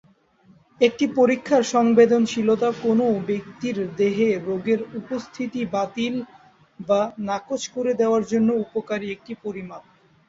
একটি পরীক্ষার সংবেদনশীলতা কোনও ব্যক্তির দেহে রোগের উপস্থিতি বাতিল বা নাকচ করে দেওয়ার জন্য উপকারী একটি পরিমাপ।